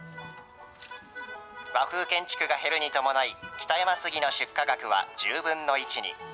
和風建築が減るに伴い、北山杉の出荷額は１０分の１に。